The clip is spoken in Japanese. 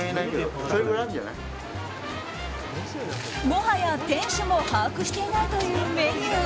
もはや店主も把握していないというメニュー。